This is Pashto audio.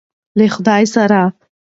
له خدای سره.